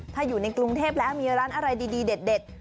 ถ้าอยู่ในกรุงเทพแล้วมีร้านอะไรดีเด็ด